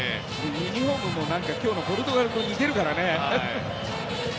ユニホームも今日のポルトガルと似てるからね。